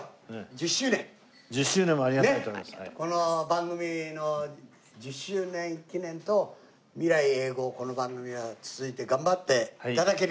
この番組の１０周年記念と未来永劫この番組が続いて頑張って頂けるように。